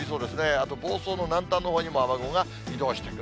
あと房総の南端のほうにも、雨雲が移動してくる。